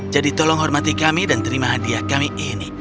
jadi tolong hormati kami dan terima hadiah kami ini